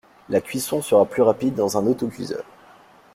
La cuisson sera plus rapide dans un autocuiseur